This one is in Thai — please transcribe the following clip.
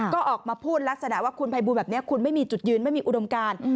ก็ออกมาพูดลักษณะว่าคุณภัยบูลแบบนี้คุณไม่มีจุดยืนไม่มีอุดมการ